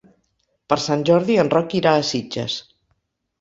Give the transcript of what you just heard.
Per Sant Jordi en Roc irà a Sitges.